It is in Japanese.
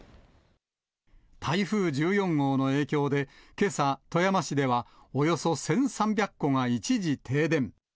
台風１４号の影響で、けさ、富山市ではおよそ１３００戸が一時停電。